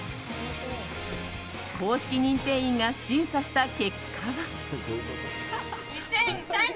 公式認定員が審査した結果は。